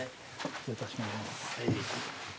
失礼いたします。